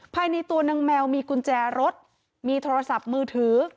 ภายในตัวนางแมวมีกุญแจรถมีโทรศัพท์มือถือ